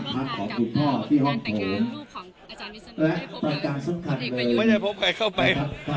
ไม่ได้พบใครเข้าไป